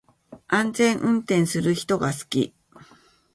安全運転する人が好き